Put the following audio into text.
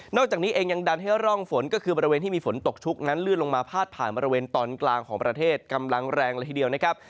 อกจากนี้เองยังดันให้ร่องฝนก็คือบริเวณที่มีฝนตกชุกนั้นลื่นลงมาพาดผ่านบริเวณตอนกลางของประเทศกำลังแรงเลยทีเดียวนะครับ